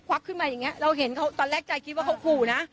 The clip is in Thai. แค่นั้นเลยค่ะ